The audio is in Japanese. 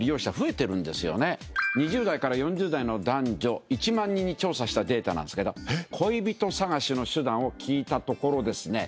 ２０代から４０代の男女１万人に調査したデータなんですけど恋人探しの手段を聞いたところ